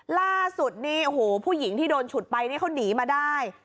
ล่าสุดนี่โอ้โหผู้หญิงที่โดนฉุดไปนี่เขาหนีมาได้